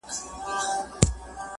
يوه ورځ د لوى ځنگله په يوه كونج كي-